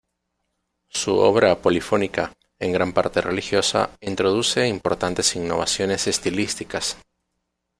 Su obra polifónica, en gran parte religiosa, introduce importantes innovaciones estilísticas.